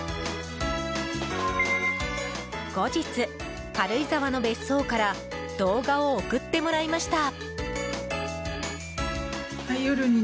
後日、軽井沢の別荘から動画を送ってもらいました。